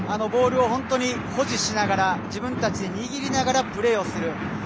ボールを本当に保持しながら自分たちで握りながらプレーをする。